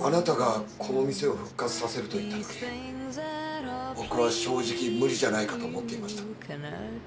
あなたがこの店を復活させると言った時僕は正直無理じゃないかと思っていました。